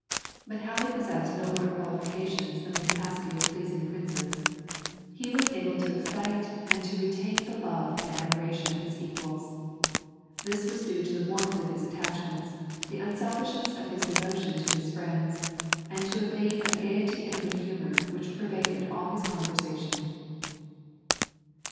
But Halley possessed nobler qualifications than the capacity of pleasing Princes. He was able to excite and to retain the love and admiration of his equals. This was due to the warmth of his attachments, the unselfishness of his devotion to his friends, and to a vein of gaiety and good humour which pervaded all his conversation.